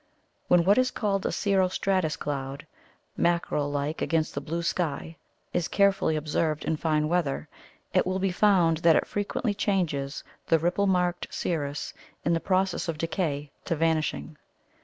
When what is called a cirro stratus cloud mackerel like against the blue sky is carefully observed in fine weather, it will be found that it frequently changes the ripple marked cirrus in the process of decay to vanishing.